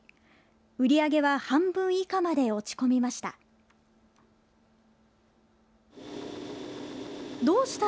売り上げは半分以下まで落ち込みました。